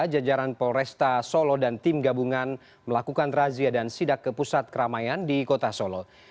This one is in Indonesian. jajaran polresta solo dan tim gabungan melakukan razia dan sidak ke pusat keramaian di kota solo